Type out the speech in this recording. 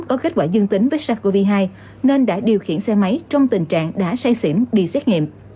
có kết quả dương tính với sars cov hai nên đã điều khiển xe máy trong tình trạng đã say xỉn đi xét nghiệm